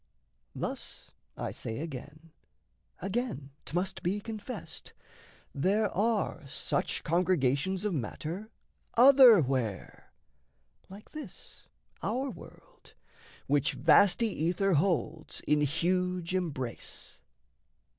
Thus, I say, Again, again, 'tmust be confessed there are Such congregations of matter otherwhere, Like this our world which vasty ether holds In huge embrace.